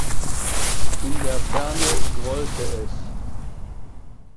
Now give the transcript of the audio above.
In der Ferne grollte es.